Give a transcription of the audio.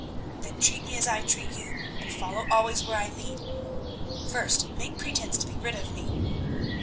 "Then treat me as I treat you, and follow always where I lead. First make pretence to be rid of me."